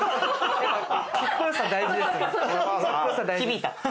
響いた。